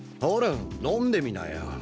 ほら飲んでみなよ。